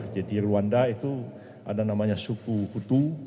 jadi rwanda itu ada namanya suku hutu